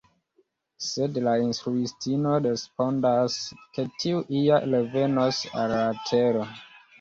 Sed la instruistino respondas ke tiu ja revenos al la tero.